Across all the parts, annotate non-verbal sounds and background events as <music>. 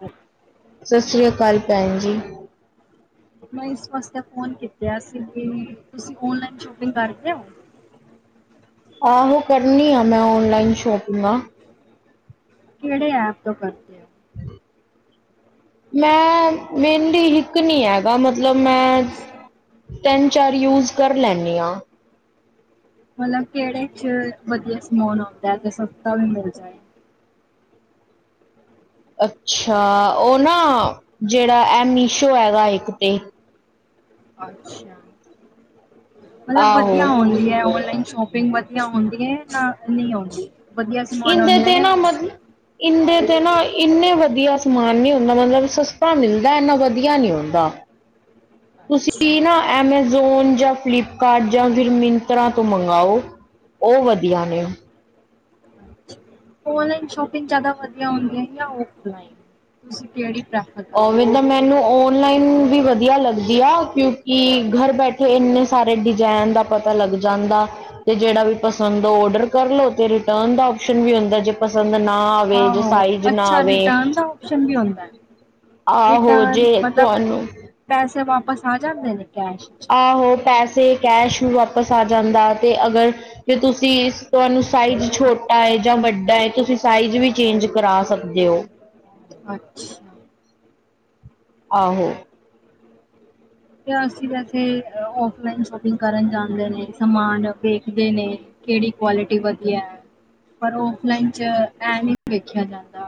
ਹ ਸਤਿ ਸ੍ਰੀ ਅਕਾਲ ਭੈਣ ਜੀ ਮੈਂ ਇਸ ਵਾਸਤੇ ਫੋਨ ਕੀਤਾ ਸੀ ਕਿ, ਵੀ ਤੁਸੀਂ ਓਨਲਾਈਨ ਸ਼ੋਪਿੰਗ ਕਰ ਰਹੇ ਹੋ। ਆਹੋ ਕਰਨੀ ਆ ਮੈਂ ਔਨਲਾਈਨ ਸ਼ੋਪਿੰਗਾਂ ਕਿਹੜੇ ਐਪ ਤੋਂ ਕਰਦੇ ਹੋ। ਲੈ ਵੇਂਹਦੀ ਇੱਕ ਨਹੀਂ ਹੈਗਾ ਮਤਲਬ ਮੈਂ ਤਿੰਨ ਚਾਰ ਯੂਜ ਕਰ ਲੈਂਦੀ ਹਾਂ। ਮਤਲਬ ਕਿਹੜੇ ਚ ਵਧੀਆ ਸਮਾਨ ਆਉਂਦਾ ਤੇ ਸਸਤਾ ਵੀ ਮਿਲ ਜਾਏ। ਅੱਛਾ ਉਹ ਨਾ, ਜਿਹੜਾ ਇਹ ਮੀਸ਼ੋ ਹੈਗਾ ਇੱਕ ਤੇ ਅੱਛਾ ਮਤਲਬ ਵਧੀਆ ਆਹੋ ਹੁੰਦੀ ਹੈ ਓਨਲਾਈਨ ਸ਼ੋਪਿੰਗ ਵਧੀਆ ਹੁੰਦੀ ਹੈ ਨਾ ਨਹੀਂ ਆਉਦੀ। ਇਦੇ ਤੇ ਨਾ ਮਤਲਬ ਇਦੇ ਤੇ ਨਾ। ਇੰਨੇ ਵਧੀਆ ਸਮਾਨ ਨੀ ਹੁੰਦਾ ਮਤਲਬ ਸਸਤਾ ਮਿਲਦਾ ਇੰਨਾ ਵਧੀਆ ਨੀ ਹੁੰਦਾ। ਹ <inaudible> ਤੁਸੀਂ ਨਾ ਐਮਾਜ਼ੋਨ ਜਾਂ ਫਿਲਿੱਪ ਕਾਰਟ ਜਾਂ ਫਿਰ ਮਿੰਤਰਾਂ ਤੋ ਮੰਗਾਓ। ਉਹ ਵਧੀਆ ਨੇ। ਓਨਲਾਈਨ ਸ਼ੋਪਿੰਗ ਜਿਆਦਾ ਵਧੀਆ ਹੁੰਦੀ ਜਾਂ ਓਫ ਲਾਇਨ ਤੁਸੀਂ ਕਿਹੜੀ ਪ੍ਰੈਫਰ ਕਰਦੇ ਉਵੇੇ ਤਾਂ ਹੋ ਮੈਂ ਮੈਨੂੰ ਔਨਲਾਈਨ ਵੀ ਵਧੀਆ ਲੱਗਦੀ ਆ ਕਿਉਂਕਿ ਘਰ ਬੈਠੇ ਇੰਨੇ ਸਾਰੇ ਡਿਜ਼ਾਇਨ ਦਾ ਪਤਾ ਲੱਗ ਜਾਂਦਾ, ਤੇ ਜਿਹੜਾ ਵੀ ਪਸੰਦ ਆ ਔਡਰ ਕਰ ਲੋ ਤੇ ਰਿਟਰਨ ਦਾ ਆਪਸ਼ਨ ਵੀ ਹੁੰਦਾ ਜੇ। ਪਸੰਦ ਨਾ ਆਵੇ ਜੋ ਸਾਈਜ਼ ਨਾ ਆਵੇ। ਓਪਸ਼ਨ ਵੀ ਹੁੰਦਾ, ਆਹ ਹੋ ਰਿਟਰਨ ਜੇ ਮਤਲਬ ਤੁਹਾਨੂੰ ਪੈਸੇ ਵਾਪਸ ਆ ਜਾਂਦੇ ਨੇ ਕੈਸ਼ ਚ ਆਹੋ ਪੈਸੇ ਕੈਸ਼ ਵੀ ਵਾਪਸ ਆ ਜਾਂਦਾ ਅਤੇ ਅਗਰ, ਜੇ ਤੁਸੀਂ ਤੁਹਾਨੂੰ ਸਾਈਜ਼ ਛੋਟਾ ਹੈ ਜਾਂ ਵੱਡਾ ਹੈ ਤੁਸੀਂ ਸਾਈਜ਼ ਵੀ ਚੇਜ ਕਰਾ ਸਕਦੇ ਹੋ। ਅੱਛਾ ਆਹੋ। ਅਸੀ ਵੈਸੇ ਔਫਲਾਈਨ ਸ਼ੋਪਿੰਗ ਕਰਨ ਜਾਂਦੇ ਨੇ ਸਮਾਨ ਵੇਖਦੇ ਨੇ। ਕੇੜੀ ਕੁਆਲਟੀ ਵਧੀਆ ਐ, ਪਰ ਓਫਲਾਈਨ ਚ ਐ ਨੀ ਵੇਖੇਆ ਜਾਂਦਾ।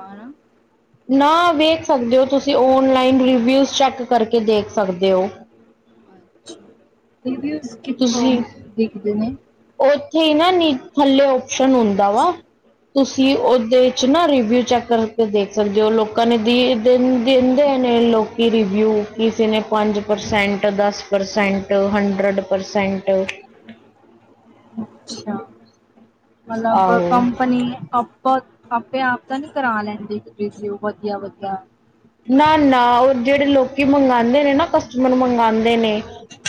ਨਾ ਵੇਖ ਸਕਦੇ ਓ ਤੁਸੀ ਔਨਲਾਈਨ ਰਿਵਿਊਜ਼ ਚੈਕ ਕਰਕੇ ਦੇਖ ਸਕਦੇ ਓ। ਰਿਵਿਊਜ਼ ਕਿੱਥੋਂ ਦੇਖਦੇ ਨੇ? ਓਥੇ ਈ ਨਾ ਨੀ ਥੱਲੇ ਓਪਸ਼ਨ ਹੁੰਦਾ ਵਾ। ਤੁਸੀ ਓਦੇ ਵਿੱਚ ਨਾ ਰਿੀਵਿਊ ਚੈਕ ਕਰਕੇ ਦੇਖ ਸਕਦੇ ਓ ਲੋਕਾਂ ਨੇ ਦੀ ਦਿਨ ਦੇਂਦੇ ਨੇ ਲੋਕ ਕੀ ਰਿਵਿਊ ਕਿਸੇ ਨੇ ਪੰਜ ਪ੍ਰਸੈਂਟ, ਦਸ ਪ੍ਰਸੈਂਟ, ਹੰਡਰਡ ਪ੍ਰਸੈਂਟ। ਅੱਛਾ, ਮਲਬ ਆਹੋ ਕੰਪਨੀ ਅਪ ਆਪੇ ਆਪ ਤਾਂ ਨੀ ਕਰਾ ਲੈਂਦੀ ਰਿਵੀਊ ਵਧੀਆ- ਵਧੀਆ। ਨਾ ਨਾ ਓ ਜੇੜੇ ਲੋਕੀ ਮੰਗਾਦੇ ਨੇ ਨਾ ਕਸਟਮਰ ਮੰਗਾਂਦੇ ਨੇ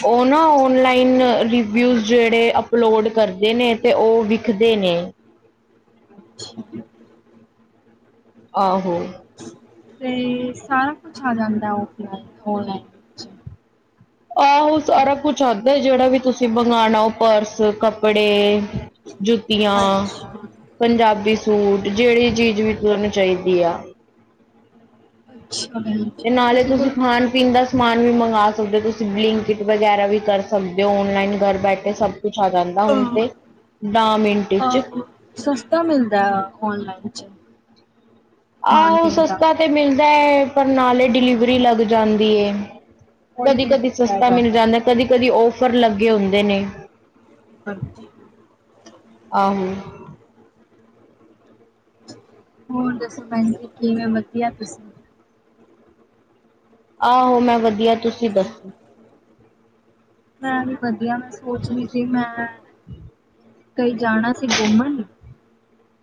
ਓ ਨਾ ਔਨਲਾਈਨ ਰਿਵਿਊਜ਼ ਜੇੜੇ ਅਪਲੋਡ ਕਰਦੇ ਨੇ ਤੇ ਓ ਵਿਖਦੇ ਨੇ। ਆਹੋ। ਤੇ ਸਾਰਾ ਕੁਛ ਆ ਜਾਂਦਾ ਓਫਲਾਈਨ ਔਨਲਾਈਨ। ਵਿੱਚ? ਆਹੋ ਸਾਰਾ ਕੁਛ ਆਂਦੈ ਜੇੜਾ ਵੀ ਤੁਸੀ ਮੰਗਾਣਾ ਓ ਪਰਸ, ਕੱਪੜੇ। ਜੁੱਤੀਆਂ, ਅੱਛਾ ਪੰਜਾਬੀ ਸੂਟ ਜੇੜੀ ਚੀਜ ਵੀ ਤਾਨੂੰ ਚਾਈਦੀ ਆ। ਅੱਛਾ ਭੈਣ ਜੀ ਤੇ ਨਾਲੇ ਤੁਸੀਂ ਤੁਸੀ ਗੁਰ ਖਾਨ ਪੀਨ ਦਾ ਸਮਾਨ ਵੀ ਮੰਗਵਾ ਸਕਦੇ ਓ, ਤੁਸੀ ਬਲਿੰਕਟ ਵਗੈਰਾ ਵੀ ਕਰ ਸਕਦੇ ਓ। ਔਨਲਾਈਨ ਘਰ ਬੈਠੇ ਸਭ ਕੁਛ ਆ ਜਾਂਦਾ ਹੁਨ ਅ ਤੇ ਦਾ ਮਿੰਟ ਚ ਅ ਸਸਤਾ ਮਿਲਦਾ ਐ ਔਨਲਾਈਨ ਚ। ਖਾਣ ਆਹੋ ਪੀਣ ਦਾ ਸਸਤਾ ਤੇ ਮਿਲਦਾ ਏ ਪਰ ਨਾਲੇ ਡਿਲੀਵਰੀ ਲੱਗ ਜਾਂਦੀ ਏ। ਉਹੀ ਕਦੀ ਰੇਟ ਕਦੀ ਪੈ ਸਸਤਾ ਮਿਲ ਜਾਂਦਾ ਕਦੀ ਕਦੀ ਔਫਰ ਲੱਗੇ ਹੁੰਦੇ ਨੇ। ਹਾਂਜੀ। ਆਹੋ। ਹੋਰ ਦੱਸੋ ਭੈਣਜੀ ਕਿਵੇਂ ਵਧੀਆ ਤੁਸੀ। ਆਹੋ ਮੈਂ ਵਧੀਆ ਤੁਸੀ ਦੱਸੋ। ਮੈਂ ਵੀ ਵਧੀਆ, ਮੈਂ ਸੋਚ ਰੀ ਸੀ ਮੈਂ ਕਈ ਜਾਣਾ ਸੀ। ਘੁੰਮਣ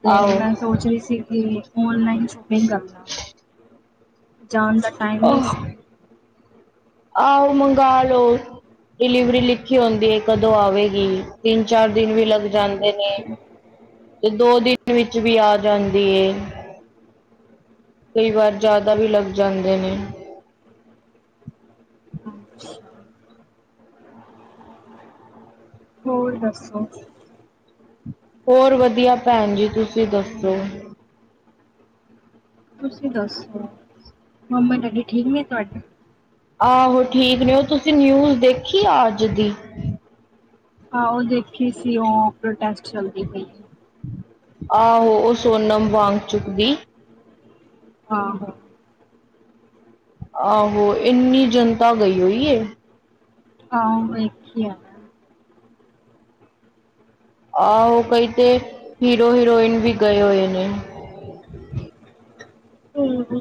ਤੇ ਮੈਂ ਆਹੋ ਸੋਚ ਰੀ ਸੀ ਕਿ ਓਨਲਾਈਨ ਸ਼ੋਪਿੰਗ ਕਰ ਲਾਂ। ਜਾਣ ਦਾ ਟਾਈਮ ਨੀ ਆਹ ਸੀ। ਆਹੋ ਮੰਗਾ ਲਓ। ਡਿਲੀਵਰੀ ਲਿਖੀ ਹੁੰਦੀ ਏ ਕਦੋਂ ਆਵੇਗੀ ਤਿੰਨ ਚਾਰ ਦਿਨ ਵੀ ਲੱਗ ਜਾਂਦੇ ਨੇ। <unintelligible> ਤੇ ਦੋ ਦਿਨ ਵਿਚ ਵੀ ਆ ਜਾਂਦੀ ਏ। ਕਈ ਵਾਰ ਜਾਦਾ ਵੀ ਲੱਗ ਜਾਂਦੇ ਨੇ। ਹੋਰ ਦੱਸੋ। ਹੋਰ ਵਧੀਆ ਭੈਣ ਜੀ ਤੁਸੀ ਦੱਸੋ। ਤੁਸੀਂ ਦੱਸੋ ਮੰਮੀ ਡੈਡੀ ਠੀਕ ਨੇ ਤੁਆਡੇ? ਆਹੋ ਠੀਕ ਨੇ, ਓ ਤੁਸੀ ਨਿਊਜ਼ ਦੇਖੀ ਅੱਜ ਦੀ? ਆਹੋ ਦੇਖੀ ਸੀ। ਓ ਪ੍ਰੋਟੈਸਟ ਚਲਦੀ ਪਈ ਏ। ਆਹੋ, ਓ ਸੋਨਮ ਵਾਂਗ ਚੁੱਕਦੀ। ਆਹੋ। ਆਹੋ ਏਨੀ ਜਨਤਾ ਗਈ ਹੋਈ ਏ। ਹਾਂ, ਵੇਖੀ ਆ। ਆਹੋ, ਕਈ ਤੇ ਹੀਰੋ ਹੀਰੋਇਨ ਵੀ ਗਏ ਹੋਏ ਨੇ। ਹੂੰ-ਹੂੰ।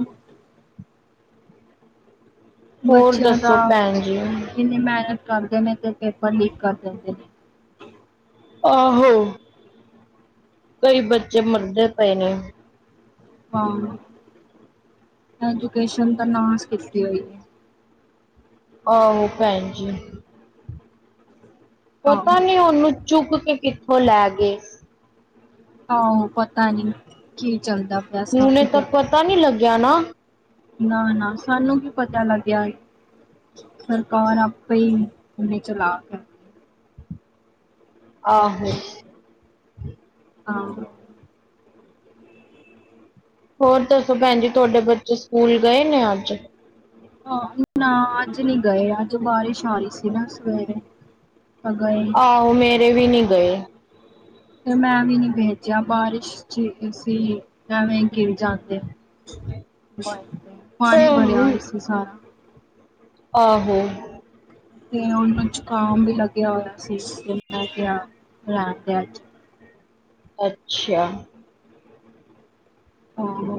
ਹੋਰ ਬੱਚਿਆਂ ਦਾ, ਦੱਸੋ ਭੈਣ ਜੀ ਇਨੀ ਮਿਹਨਤ ਕਰਦੇ ਨੇ ਤੇ ਪੇਪਰ ਲੀਕ ਕਰ ਦਿੰਦੇ ਨੇ। ਆਹੋ। ਕਈ ਬੱਚੇ ਮਰਦੇ ਪਏ ਨੇ। ਹਾਂ, ਐਜੂਕੇਸ਼ਨ ਤਾਂ ਨਾਸ਼ ਕੀਤੀ ਹੋਈ ਹੈ। ਆਹੋ ਭੈਣ ਜੀ। ਪਤਾ ਆਹੋ ਨੀ ਉਹਨੂੰ ਚੁੱਕ ਕੇ ਕਿੱਥੋਂ ਲੈ ਗਏ। ਆਹੋ ਪਤਾ ਨੀ, ਕੀ ਚੱਲਦਾ। ਪਿਆ ਹੁਣੇ ਸਾਨੂੰ ਤਾਂ ਕਿਆ ਪਤਾ ਨੀ ਲੱਗਿਆ ਨਾ। ਨਾ-ਨਾ ਸਾਨੂੰ ਕੀ ਪਤਾ ਲੱਗਿਆ? ਸਰਕਾਰ ਆਪੇ ਈ ਇੰਨੀ ਚਲਾਕ ਆ। ਆਹੋ। ਹਾਂ। ਹੋਰ ਦੱਸੋ ਭੈਣ ਜੀ ਤੁਹਾਡੇ ਬੱਚੇ ਸਕੂਲ ਗਏ ਨੇ ਅੱਜ? ਹਾਂ ਨਾ ਅੱਜ ਨੀ ਗਏ ਅੱਜ ਬਾਰਿਸ਼ ਆ ਰਹੀ ਸੀ ਨਾ ਸਵੇਰੇ, ਤਾਂ ਗਏ ਨੀ। ਆਹੋ ਮੇਰੇ ਵੀ ਨੀ ਗਏ। ਤੇ ਮੈਂ ਵੀ ਨੀ ਭੇਜਿਆ ਬਾਰਿਸ਼ ਚ ਅਸੀਂ ਐਵੇਂ ਗਿਰ ਜਾਂਦੇ। ਪਾਣੀ ਭਰਿਆ ਹੋਇਆ ਸੀ ਸਾਰਾ। ਆਹੋ। ਤੇ ਉਹਨੂੰ ਜ਼ੁਕਾਮ ਵੀ ਲੱਗਿਆ ਹੋਇਆ ਸੀ ਮੈਂ ਕਿਆ ਰਹਿਣ ਦੇ ਅੱਜ। ਅੱਛਾ। ਹਾਂ।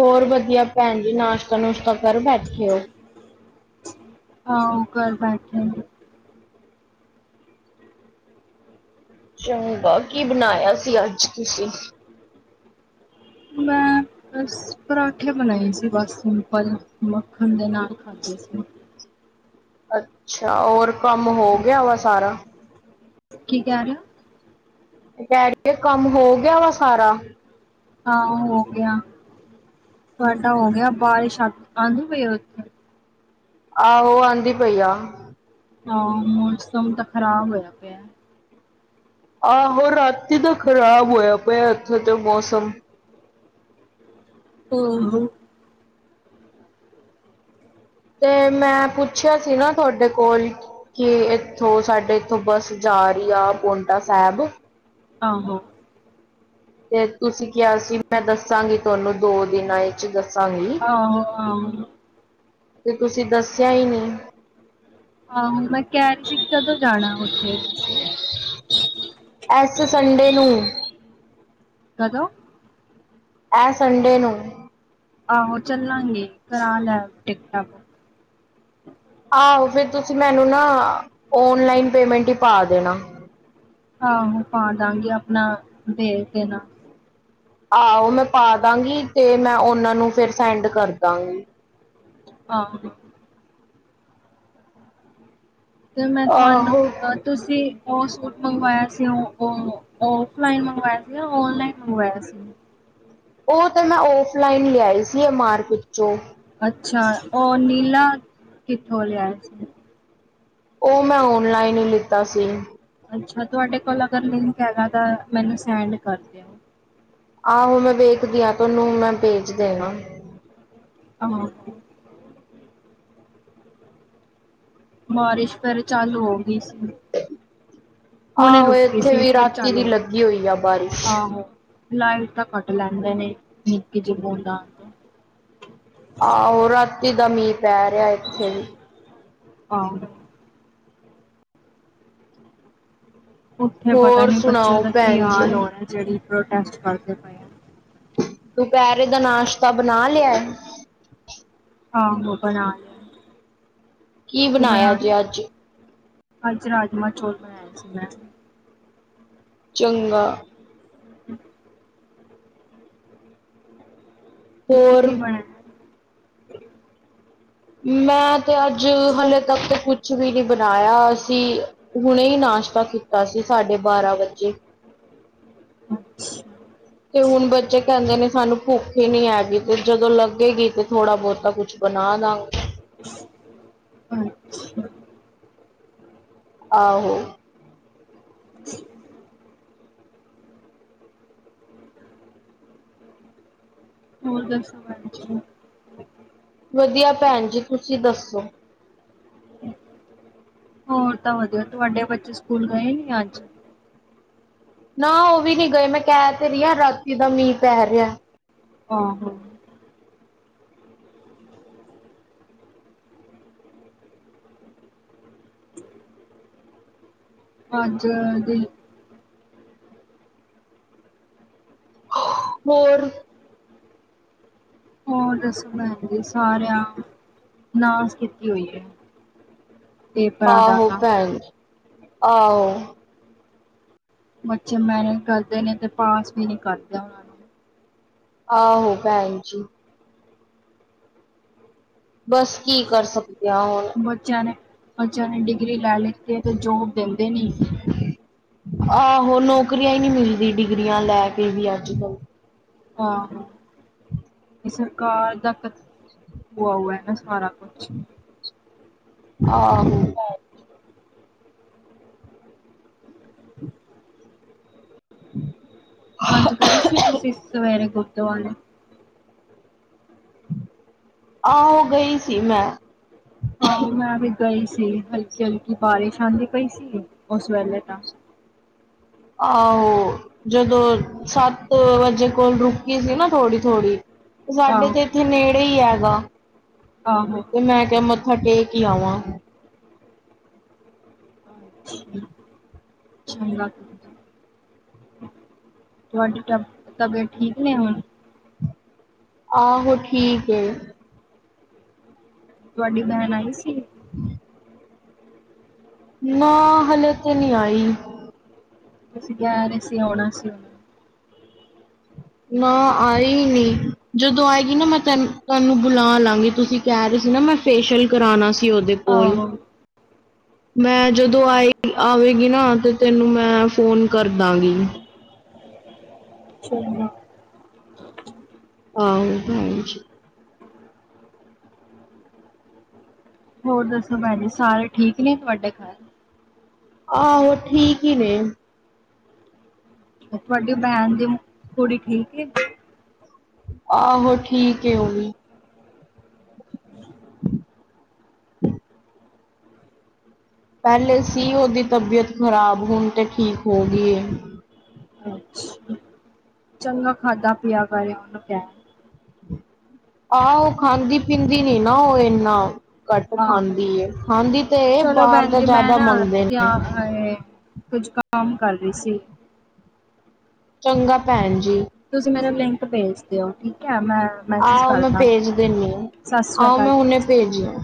ਹੋਰ ਵਧੀਆ ਭੈਣ ਜੀ ਨਾਸ਼ਤਾ ਨੁਸ਼ਤਾ ਕਰ ਬੈਠੇ ਓ? ਆਹ ਉਹ ਕਰ ਬੈਠੇ। ਚੰਗਾ ਕੀ ਬਣਾਇਆ ਸੀ ਅੱਜ ਤੁਸੀਂ? ਮੈਂ ਬਸ ਪਰਾਂਠੇ ਬਣਾਏ ਸੀ ਬਸ ਸਿੰਪਲ ਮੱਖਣ ਦੇ ਨਾਲ ਖਾਦੇ ਸੀ। ਅੱਛਾ ਹੋਰ ਕੰਮ ਹੋ ਗਿਆ ਵਾ ਸਾਰਾ। ਕੀ ਕਹਿ ਰਹੇ ਓ? ਮੈਂ ਕਿਆ ਕੰਮ ਹੋ ਗਿਆ ਵਾ ਸਾਰਾ। ਹਾਂ ਹੋ ਗਿਆ, ਤੁਹਾਡਾ ਹੋ ਗਿਆ ਬਾਰਿਸ਼ ਆਂਦੀ ਪਈ ਉੱਥੇ ਆਹੋ ਆਂਦੀ ਪਈ ਆ। ਹਾਂ ਮੌਸਮ ਤਾਂ ਖਰਾਬ ਹੋਇਆ ਪਿਆ। ਆਹੋ ਰਾਤੀ ਤਾਂ ਖ਼ਰਾਬ ਹੋਇਆ ਪਿਆ ਇੱਥੇ ਤੇ ਮੌਸਮ। ਆਹੋ। ਤੇ ਮੈਂ ਪੁੱਛਿਆ ਸੀ ਨਾ ਤੁਹਾਡੇ ਕੋਲ ਕਿ ਇੱਥੋਂ ਸਾਡੇ ਇੱਥੋਂ ਬੱਸ ਜਾ ਰਹੀ ਆ ਪਾਉਟਾ ਸਾਹਿਬ। ਆਹੋ। ਤੇ ਤੁਸੀਂ ਕਿਹਾ ਸੀ ਮੈਂ ਦੱਸਾਂਗੀ ਤੁਹਾਨੂੰ ਦੋ ਦਿਨਾਂ ਵਿੱਚ ਦੱਸਾਂਗੀ। ਆਹੋ-ਆਹੋ। ਤੇ ਤੁਸੀਂ ਦੱਸਿਆ ਹੀ ਨੀ ਆਹੋ ਮੈਂ ਕੈ ਕਦੋਂ ਜਾਣਾ ਉੱਥੇ ਐਸ ਸੰਡੇ ਨੂੰ। ਕਦੋਂ? ਐਹ ਸੰਡੇ ਨੂੰ। ਆਹੋ ਚੱਲਾਗੇ ਕਰਾ ਲੈ ਟਿਕਟਾ ਬੁਕ। ਆਹੋ ਫੇਰ ਤੁਸੀਂ ਮੈਨੂੰ ਨਾ ਔਨਲਾਈਨ ਪੇਮੈਂਟ ਹੀ ਪਾ ਦੇਣਾ। ਆਹੋ ਪਾਦਾਗੀ ਆਪਣਾ ਦੇਦੇਨਾ ਆਹੋ ਮੈਂ ਪਾ ਦਾਂਗੀ ਤੇ ਮੈਂ ਉਹਨਾਂ ਨੂੰ ਫਿਰ ਸੈਂਡ ਕਰ ਦਾਂਗੀ। ਆਹੋ। ਤੇ ਮੈਂ ਆਹੋ। ਤੁਆਨੂੰ ਤੁਸੀਂ ਉਹ ਸੂਟ ਮੰਗਵਾਇਆ ਸੀ ਉਹ ਉਹ ਔਫਲਾਈਨ ਮੰਗਵਾਇਆ ਸੀ ਯਾਂ ਔਨਲਾਈਨ ਮੰਗਵਾਇਆ ਸੀ। ਉਹ ਤੇ ਮੈਂ ਔਫਲਾਈਨ ਲਿਆਈ ਸੀ ਏ ਮਾਰਕੀਟ ਚੋ। ਅੱਛਾ ਉਹ ਨੀਲਾ ਕਿੱਥੋਂ ਲਿਆ ਸੀ? ਉਹ ਮੈਂ ਔਨਲਾਈਨ ਹੀ ਲਿੱਤਾ ਸੀ। ਅੱਛਾ ਤੁਹਾਡੇ ਕੋਲ ਲਿੰਕ ਹੈਗਾ ਤਾਂ ਸੈਂਡ ਕਰ ਦੇ। ਆਹੋ ਮੈਂ ਵੇਖਦੀ ਹਾਂ ਤੁਹਨੂੰ ਮੈਂ ਵੇਚ ਦੇਣਾ। ਆਹੋ ਬਾਰਿਸ਼ ਫੇਰ ਚਾਲੂ ਹੋ ਗਈ ਸੀ। ਹੁਣੇ ਆਹੋ ਰੁਕੀ ਇੱਥੇ ਸੀ ਵੀ ਫਿਰ ਰਾਤੀ ਚੱਲੂ ਦੀ ਹੋਗੀ, ਲੱਗੀ ਹੋਈ ਆ ਬਾਰਿਸ਼। ਆਹੋ। ਲਾਈਟ ਤਾਂ ਕੱਟ ਲੈਂਦੇ ਨੇ ਨਿੱਕ ਜੀ ਬੂੰਦਾ ਤੋ। ਆਹੋ ਰਾਤੀ ਦਾ ਮੀਂਹ ਪੈ ਰਿਹਾ ਇੱਥੇ ਵੀ। ਆਹੋ ਉੱਥੇ ਪਤਾ ਹੋਰ ਨੀ ਬੱਚਿਆਂ ਸੁਣਾਓ ਦਾ ਕੀ ਭੈਣ ਜੀ? ਹਾਲ ਹੋ ਹੈ ਜਿਹੜੀ ਪ੍ਰਰੋਸੇਟ ਦੇ ਪਏ। ਆ। ਦੁਪਹਿਰੇ ਦਾ ਨਾਸ਼ਤਾ ਬਣਾ ਲੇਐ। ਆਹੋ ਬਣਾ ਲਿਆ ਕੀ ਤੁਸੀਂ ਬਣਾਇਆ ਬਣਾ ਲਿਆ। ਜੇ ਅੱਜ? ਅੱਜ ਰਾਜਮਾਂ ਚੋਲ ਬਣਾਏ ਸੀ ਮੈਂ। ਚੰਗਾ ਹ <inaudible> ਤੂੰ ਕਿ ਹੋਰ ਕੀ ਮ <inaudible> ਮੈਂ ਤੇ ਅੱਜ ਹਲੇੇ ਤੱਕ ਤੇ ਕੁਛ ਕੂੱਛ ਵੀ ਨੀ ਬਣਾਇਆ ਅਸੀਂ ਹੁਣੇ ਹੀ ਨਾਸ਼ਤਾ ਕੀਤਾ ਸੀ ਸਾਢੇ ਬਾਰਾਂ ਵਜੇ। ਅੱਛਾ ਤੇ ਹੁਣ ਬੱਚੇ ਕਹਿੰਦੇ ਨੇ ਸਾਨੂੰ ਭੁੱਖ ਹੀ ਨੀ ਹੈਗੀ ਤੇ ਜਦੋਂ ਲੱਗੇਗੀ ਤੇ ਥੋੜਾ ਬਹੁਤਾ ਕੁਛ ਬਣਾ ਦਾਗੀ। ਅੱਛਾ <unintelligible> ਆਹੋ। ਹੋਰ ਦੱਸੋ <inaudible> ਵਧੀਆ ਭੈਣ ਜੀ ਤੁਸੀਂ ਦੱਸੋ। ਹੋਰ ਤਾਂ ਵਧੀਆ ਤੁਹਾਡੇ ਬੱਚੇ ਸਕੂਲ ਗਏ ਹੀ ਅਜ। ਨਾ ਉਹ ਵੀ ਨੀ ਗਏ ਮੈਂ ਕਹਿ ਤੇ ਰਹੀ ਹਾਂ ਰਾਤੀ ਦਾ ਮੀਂਹ ਪੈ ਰਿਹਾ। ਆਹੋ ਅੱਜ ਦੀ ਹੋਰ ਹੋਰ ਦੱਸੋ ਜ <unintelligible> ਸਾਰਿਆਂ ਨਾਸ ਕੀਤੀ ਹੋਈ ਹੈ। ਪੇਪਰਾਂ ਦਾ ਆਹੋ ਤਾਂ ਭੈਣ ਜੀ ਆਹੋ ਬੱਚੇ ਮਿਹਨਤ ਕਰਦੇ ਨੇ ਤੇ ਪਾਸ ਵੀ ਨੀ ਕਰਦੇ। ਨੂੰ ਆਹ ਹੋ ਭੈਣ ਜੀ ਬਸ ਕੀ ਕਰ ਸਕਦੇ ਹਾਂ ਹੁਣ ਬੱਚਿਆਂ ਨੇ ਬੱਚਿਆਂ ਨੇ ਡਿਗਰੀ ਲੈ ਲਿੱਤੀ ਅਤੇ ਜੋਬ ਦਿੰਦੇ ਨੀ ਆਹੋ ਨੌਕਰੀਆਂ ਹੀ ਨਹੀ ਮਿਲਦੀ ਡਿਗਰੀਆਂ ਲੈ ਕੇ ਵੀ ਅੱਜ ਕੱਲ ਹਹ ਇਹ ਸਰਕਾਰ ਦਾ ਹੋਆ ਹੋਆ ਨਾ ਸਾਰਾ ਕੁਛ ਆਹੋ ਹਮ <inaudible> ਆਜ ਗਏ ਸੀ ਤੁਸੀਂ ਸਵੇਰੇ ਗੁਰਦੁਆਰੇ ਆਹੋ ਗਈ ਸੀ ਮੈਂ ਹਾਂ ਮੈਂ ਵੀ ਗਈ ਸੀ ਹਲਕੀ ਹਲਕੀ ਬਾਰਿਸ਼ ਆਉਂਦੀ ਪਈ ਸੀ ਉਸ ਵੇਲੇ ਤਾਂ ਆਹੋ ਜਦੋਂ ਸੱਤ ਵਜੇ ਕੋਲ ਰੁਕੀ ਸੀ ਨਾ ਥੋੜ੍ਹੀ ਥੋੜ੍ਹੀ ਸਾਡੇ ਆਹੋ ਤੇ ਇੱਥੇ ਨੇੜੇ ਹੀ ਹੈਗਾ, ਆਹੋ ਤੇ ਮੈਂ ਕਿਹਾ ਮ ਮੱਥਾ ਟੇਕ ਈ ਆਵਾਂ <inaudible> ਤੁਹਾਡੀ ਤਬ ਤਬੀਅਤ ਠੀਕ ਨੇ ਹੁਣ ਆਹੋ ਠੀਕ ਏ ਤੁਹਾਡੀ ਭੈਣ ਆਈ ਸੀ। ਹੂ ਨਾ ਹਲੇੇ ਤੇ ਨਹੀ ਆਈ ਤੁਸੀਂ ਕਹਿ ਰਹੇ ਸੀ ਆਉਣਾ ਸੀ। ਨਾ ਆਏ ਈ ਨਹੀ, ਜਦੋਂ ਆਏਗੀ ਨਾ ਮੈਂ ਤੈਨੂੰ ਤੈਹਾਨੂੰ ਬੁਲਾ ਲਾਂਗੀ ਤੁਸੀਂ ਕਹਿ ਰਹੇ ਸੀ ਨਾ ਮੈਂ ਫੇਸ਼ੀਆਲ ਕਰਾਉਣਾ ਸੀ ਉਹਦੇ ਕੋਲ ਆਹੋ ਮੈਂ, ਜਦੋਂ ਆਏ ਆਵੇਗੀ ਨਾ ਤੇ ਤੈਨੂੰ ਮੈਂ ਫੋਨ ਕਰਦਾਂਗੀ। ਚ <unintelligible> ਹਾਂ ਭੈਣਜੀ ਹੋਰ ਦੱਸੋ ਭੈਣ ਜੀ ਸਾਰੇ ਠੀਕ ਨੇ ਤੁਹਾਡੇ ਘਰ ਹਾਂ ਔ ਠੀਕ ਹੀ ਨੇ ਤੁਹਾਡੀ ਭੈਣ ਦੀ ਕੁੜੀ ਠੀਕ ਏ ਆਹੋ ਠੀਕ ਏ ਉਹ ਹੁਣ ਪਹਿਲੇ ਸੀ ਉਹਦੀ ਤਬੀਅਤ ਖ਼ਰਾਬ, ਹੁਣ ਤੇ ਠੀਕ ਹੋ ਗਈ ਏ ਅੱਛਾ। ਚੰਗਾ ਖਾਧਾ ਪੀਆ ਕਰੇ ਉਹਨੂੰ ਕਹਿ ਹਾਂ ਉਹ ਖਾਂਦੀ ਪੀਂਦੀ ਨੀ ਨਾ ਉਹ ਇੰਨਾ ਘੱਟ ਆਹੋ। ਖਾਂਦੀ ਏ, ਖਾਂਦੀ ਤੇ ਇਹ ਬਾਹਰ ਤਾਂ ਜ਼ਿਆਦਾ ਮੰਗਦੇ ਨੇ ਹਾਏ ਕੁਝ ਕੰਮ ਕਰ ਰਹੀ ਸੀ ਚੰਗਾ ਭੈਣ ਜੀ ਤੁਸੀਂ ਮੇਰਾ ਲਿੰਕ ਭੇਜ ਦੇਯੋ ਠੀਕ ਹੈ ਮੈਂ ਮੈਸਜ ਆਹੋ ਕਰ ਮੈਂ ਭੇਜ ਦਿੰਨੀ ਆ ਦਾਂਗੀ ਸਤਿ ਸ਼੍ਰੀ ਆਹੋ ਅਕਾਲ ਮੈਂ ਹੁਣੇ ਭੈਣਜੀ ਭੇਜਿਆ